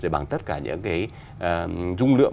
bằng tất cả những cái dung lượng